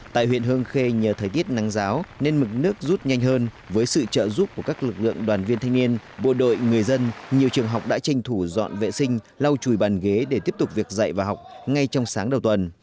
tại huyện hương khê nhờ thời tiết nắng giáo nên mực nước rút nhanh hơn với sự trợ giúp của các lực lượng đoàn viên thanh niên bộ đội người dân nhiều trường học đã tranh thủ dọn vệ sinh lau chùi bàn ghế để tiếp tục việc dạy và học ngay trong sáng đầu tuần